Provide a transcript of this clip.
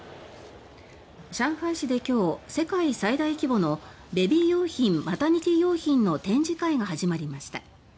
上海市で今日、世界最大規模のベビー用品、マタニティー用品の展示会が始まりました。